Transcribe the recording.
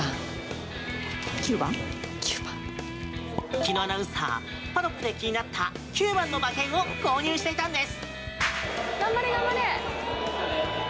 紀アナウンサーパドックで気になった９番の馬券を購入していたんです。